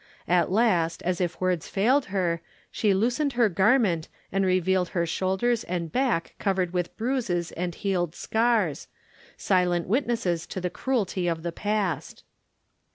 At last as if words failed her, she loosened her garment and revealed her shoulders and back covered with bruises and healed scars, silent witnesses to the cruelty of the past.